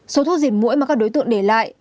số thuốc diệt mũi mà các đối tượng để lại